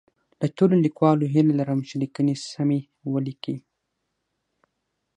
له ټولو لیکوالو هیله لرم چي لیکنې سمی ولیکي